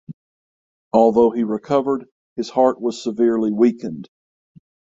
Although he recovered his heart was severely weakened.